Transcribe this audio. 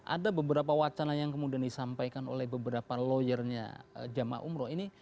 ada beberapa wacana yang kemudian disampaikan oleh beberapa lawyernya jemaah umroh ini